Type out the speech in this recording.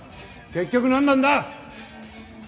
結局何なんだ？